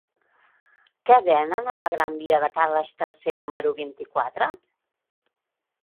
Què venen a la gran via de Carles III número vint-i-quatre?